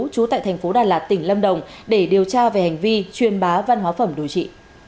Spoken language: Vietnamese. trú tại thành phố đà lạt tỉnh lâm đồng để điều tra về hành vi truyền bá văn hóa phẩm đồi trị